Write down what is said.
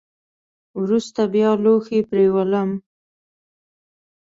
وروسته بیا لوښي پرېولم .